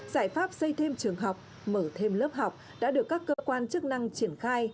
giải pháp xây thêm trường học mở thêm lớp học đã được các cơ quan chức năng triển khai